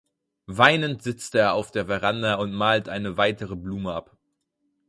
Weinend sitzt er auf der Veranda und malt eine weitere Blume ab.